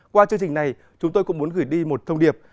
qua chương trình này chúng tôi cũng muốn gửi đi một thông điệp